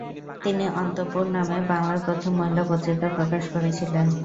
তিনি 'অন্তপুর' নামে বাংলায় প্রথম মহিলা পত্রিকা প্রকাশ করেছিলেন।